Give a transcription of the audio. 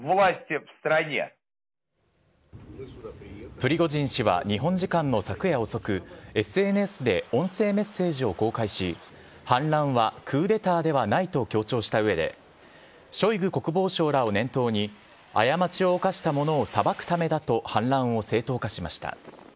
プリゴジン氏は日本時間の昨夜遅く、ＳＮＳで音声メッセージを公開し、反乱はクーデターではないと強調したうえで、ショイグ国防相らを念頭に、過ちを犯した者を裁くためだと反乱を正当化しました。